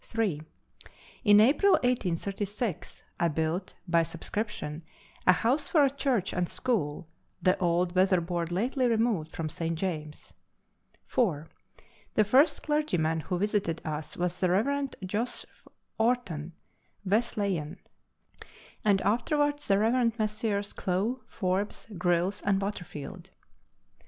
3. In April 1836 I built, by subscription, a house for a church and school the old weatherboard lately removed from St. James's. 4. The first clergyman who visited us was the Rev. Jos. Orton, Wesleyan, and afterwards the Revs. Messrs. Clow, Forbes, Grylls, and Waterfield.